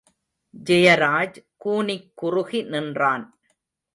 ஜெயராஜ் கூனிக் குறுகி நின்றான்!....